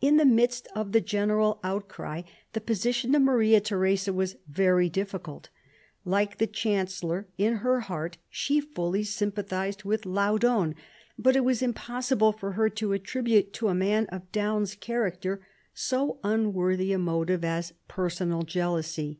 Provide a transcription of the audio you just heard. In the midst of the general outcry, the position of Maria Theresa was very difficult. Like the chancellor, in her heart she fully sympathised with Laudon; but it was impossible for her to attribute to a man of Daun's character so unworthy a motive as personal jealousy.